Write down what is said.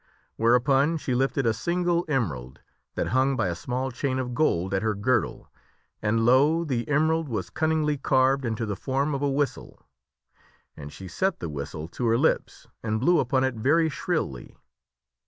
Whereupon she lifted a single emerald that hung by a small chain of gold at her girdle and, lo! the emerald was Tk L d f cunn i n gly carved into the form of a whistle. And she set the the Lake sum whistle to her lips and blew upon it very shrilly.